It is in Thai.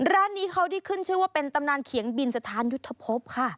ร้านนี้เขาได้ขึ้นชื่อว่าเป็นตำนานเขียงบินสถานยุทธภพค่ะ